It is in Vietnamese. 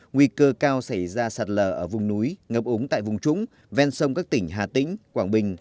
nguy cơ cao xảy ra sạt lở ở vùng núi ngập ống tại vùng trũng ven sông các tỉnh hà tĩnh quảng bình